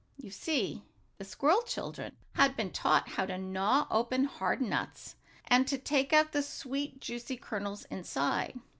You see the squirrel children had been taught how to gnaw open hard nuts, and to take out the sweet, juicy kernels inside.